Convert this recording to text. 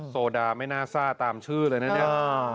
โซดาไม่น่าซ่าตามชื่อเลยนะเนี่ย